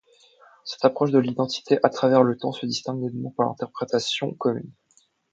Cette approche de l’identité à travers le temps se distingue nettement de l’interprétation commune.